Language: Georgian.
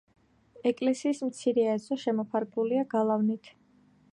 ეკლესიის მცირე ეზო შემოფარგლულია გალავნით.